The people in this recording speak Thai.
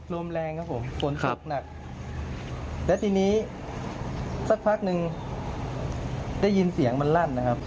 ลมแรงครับผมฝนตกหนักและทีนี้สักพักหนึ่งได้ยินเสียงมันลั่นนะครับ